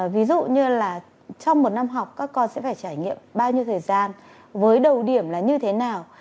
ví dụ như là trong một năm học các con sẽ phải trải nghiệm bao nhiêu thời gian với đầu điểm là như thế nào